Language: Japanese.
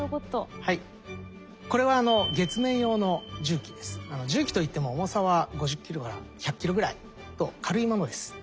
はいこれは重機といっても重さは５０キロから１００キロぐらいと軽いものです。